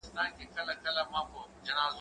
هغه وويل چي پوښتنه مهمه ده!